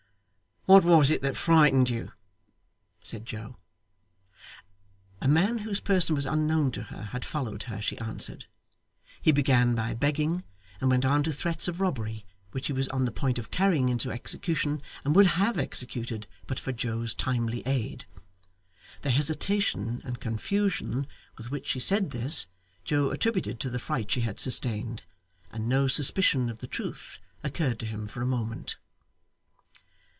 'What was it that frightened you?' said Joe. A man whose person was unknown to her had followed her, she answered; he began by begging, and went on to threats of robbery, which he was on the point of carrying into execution, and would have executed, but for Joe's timely aid. The hesitation and confusion with which she said this, Joe attributed to the fright she had sustained, and no suspicion of the truth occurred to him for a moment.